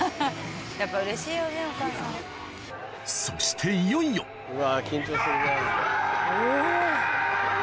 そしていよいよオ！